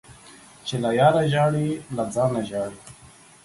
چي له ياره ژاړې ، له ځانه ژاړې.